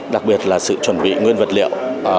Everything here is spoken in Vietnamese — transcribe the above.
đặc biệt là sự chuẩn bị nguyên vật liệu